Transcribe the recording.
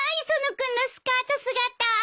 磯野君のスカート姿。